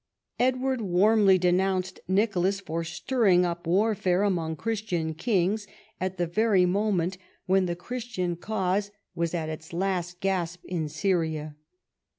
Edward warmly denounced Nicolas for stirring up warfare among Christian kings at the very moment when the Christian cause was at its last gasp in Syria.